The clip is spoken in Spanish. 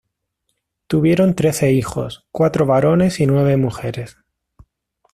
Tuvieron trece hijos, cuatro varones y nueve mujeres.